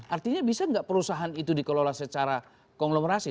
artinya bisa nggak perusahaan itu dikelola secara konglomerasi